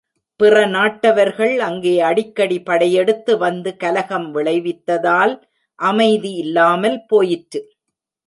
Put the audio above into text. பிற நாட்டவர்கள் அங்கே அடிக்கடி படையெடுத்து வந்து கலகம் விளைவித்ததால் அமைதி இல்லாமல் போயிற்று.